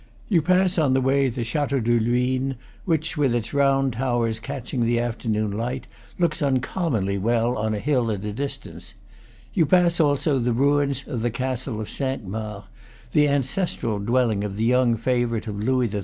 You pass on the way the Chateau de Luynes, which, with its round towers catching the afternoon light, looks uncommonly well on a hill at a distance; you pass also the ruins of the castle of Cinq Mars, the ancestral dwelling of the young favorite of Louis XIII.